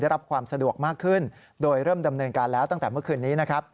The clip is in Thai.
รับความสะดวกมากขึ้นโดยเริ่มดำเนินการแล้วตั้งแต่เมื่อคืนนี้นะครับ